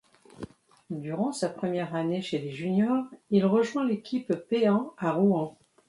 Durant sa première année chez les juniors, il rejoint l'équipe Péan à Rouen.